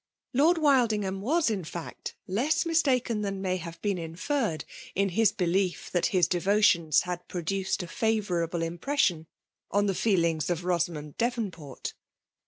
.272 FKliALG DOMlNATlQ?r. Lot4 WildingViQ \i'as> in fact^ Ices mistaken thi^ii may have been inferred, in his bclier that his devotions had produced a favourable impression on the feelings of Rosamond Devonport.